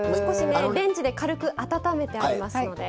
レンジで軽く温めてありますので。